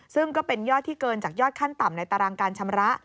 ซึ่งก็เป็นยอดที่เกินจากยอดขั้นต่ำในตารางการชำระ